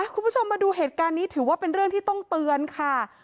คุณผู้ชมมาดูเหตุการณ์นี้ถือว่าเป็นเรื่องที่ต้องเตือนค่ะ